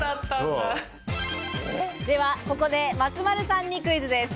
ではここで松丸さんにクイズです。